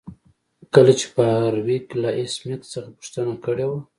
کله چې فارویک له ایس میکس څخه پوښتنه کړې وه